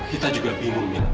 kita juga bingung